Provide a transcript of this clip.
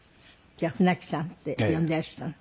じゃあ舟木さんって呼んでらしたの？